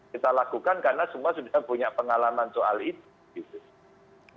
kita lakukan karena semua sudah punya pengalaman soal itu